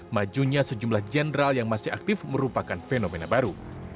majunya sejumlah jenderal yang masih aktif merupakan fenomena baru